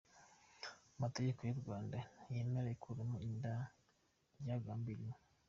Amategeko y’u Rwanda ntiyemera ikuramo inda ryagambiriwe.